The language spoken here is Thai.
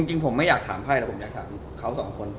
จริงผมไม่อยากถามไพ่แล้วผมอยากถามเขาสองคน